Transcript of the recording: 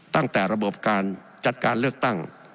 ตั้งแต่ระบบการจัดการเลือกตั้ง